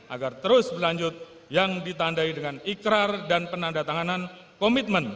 agar terus berlanjut yang ditandai dengan ikrar dan penanda tanganan komitmen